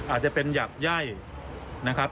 อาจจะเป็นหยาบไย่นะครับ